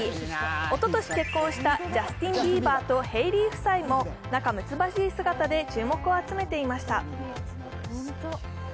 おととし結婚したジャスティン・ビーバーとヘイリー夫妻も仲むつまじい姿で注目を集めていました。